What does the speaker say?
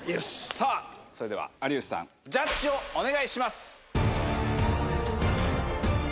さあそれでは有吉さんジャッジをお願いします。